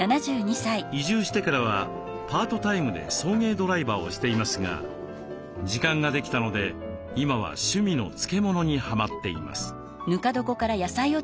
移住してからはパートタイムで送迎ドライバーをしていますが時間ができたので今は趣味の漬物にはまっています。